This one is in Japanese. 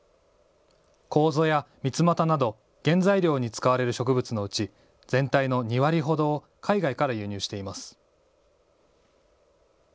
こうぞやみつまたなど原材料に使われる植物のうち全体の２割ほどを海外から輸入しています。